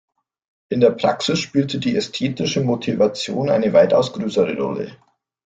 In der Praxis spielt die ästhetische Motivation eine weitaus größere Rolle.